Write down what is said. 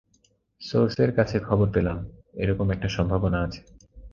সোর্সের কাছে খবর পেলাম এরকম একটা সম্ভাবনা আছে।